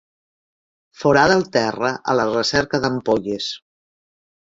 Forada el terra a la recerca d'ampolles.